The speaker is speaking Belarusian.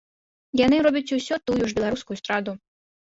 Яны робяць усё тую ж беларускую эстраду.